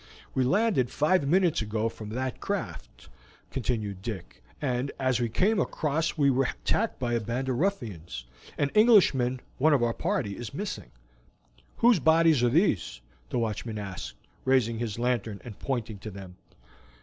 "We landed five minutes ago from that craft," continued Dick, "and as we came across we were attacked by a band of ruffians. An Englishman, one of our party, is missing." "Whose bodies are these?" the watchman asked, raising his lantern and pointing to them.